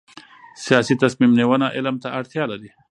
سیاسي تصمیم نیونه علم ته اړتیا لري